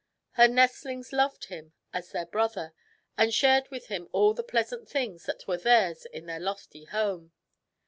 Her nestlings loved him as their brother, and shared with him all the pleasant things that were theirs in their lofty home.